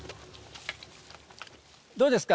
どうですか？